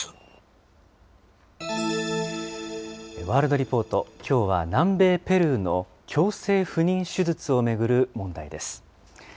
ワールドリポート、きょうは南米ペルーの強制不妊手術を巡る問題です。